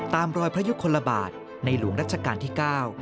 ตามรอยพระยุคลบาทในหลวงรัชกาลที่๙